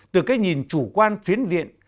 từ cái nhìn chủ quan phiến diện